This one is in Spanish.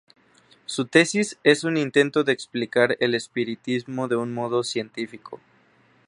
Su tesis es un intento de explicar el espiritismo de un modo científico.